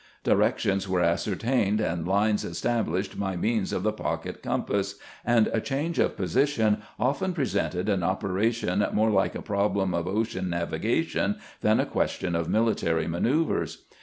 Directions were ascertained and lines established by means of the pocket compass, and a change of position often presented an operation more like a problem of ocean navigation than a question of military manoeuvers.